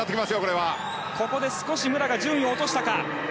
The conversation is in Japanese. ここで武良が順位を落としたか。